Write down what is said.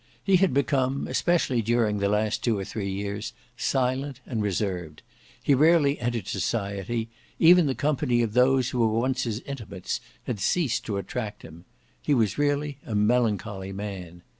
He had become, especially during the last two or three years, silent and reserved; he rarely entered society; even the company of those who were once his intimates had ceased to attract him; he was really a melancholy man.